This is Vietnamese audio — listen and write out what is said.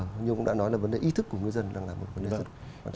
nhưng cũng đã nói là vấn đề ý thức của ngư dân là một vấn đề rất quan trọng